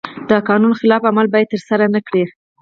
د قانون خلاف عمل باید ترسره نکړي.